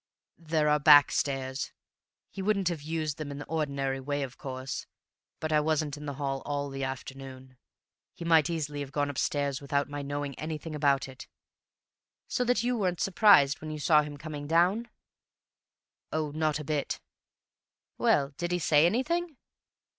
"There are back stairs. He wouldn't have used them in the ordinary way, of course. But I wasn't in the hall all the afternoon. He might easily have gone upstairs without my knowing anything about it." "So that you weren't surprised when you saw him coming down?" "Oh, not a bit." "Well, did he say anything?"